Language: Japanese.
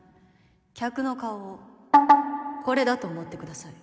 客の顔をこれだと思ってください